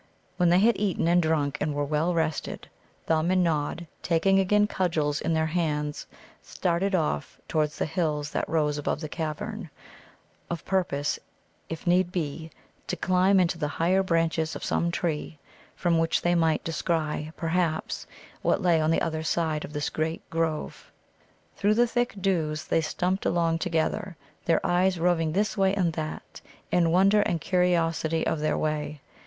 When they had eaten and drunk, and were well rested, Thumb and Nod, taking again cudgels in their hands, started off towards the hills that rose above the cavern, of purpose, if need be, to climb into the higher branches of some tree, from which they might descry, perhaps, what lay on the other side of this great grove. Through the thick dews they stumped along together, their eyes roving this way and that, in wonder and curiosity of their way.